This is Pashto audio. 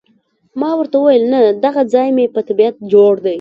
ما ورته وویل، نه، دغه ځای مې په طبیعت جوړ دی.